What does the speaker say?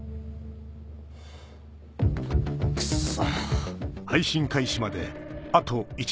クソ。